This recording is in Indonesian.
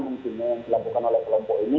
fungsinya yang dilakukan oleh kelompok ini